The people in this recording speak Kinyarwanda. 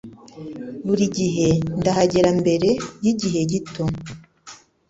Buri gihe ndahagera mbere yigihe gito.